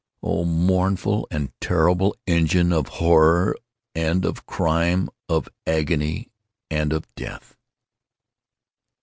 —oh, mournful and terrible engine of Horror and of Crime—of Agony and of Death!